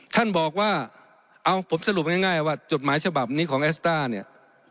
ท่านบอกว่าเอาผมสรุปง่ายว่าจดหมายฉบับนี้ของแอสต้าเนี่ย